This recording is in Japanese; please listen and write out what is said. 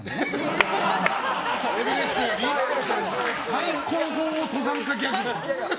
最高峰登山家ギャグ！